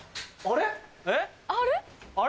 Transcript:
あれ？